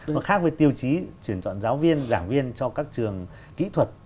nó khác với tiêu chí tuyển chọn giáo viên giảng viên cho các trường kỹ thuật